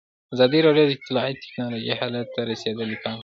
ازادي راډیو د اطلاعاتی تکنالوژي حالت ته رسېدلي پام کړی.